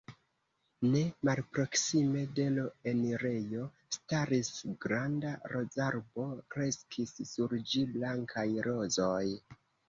Ne malproksime de l' enirejo staris granda rozarbo; kreskis sur ĝi blankaj rozoj.